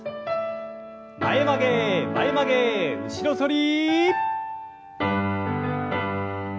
前曲げ前曲げ後ろ反り。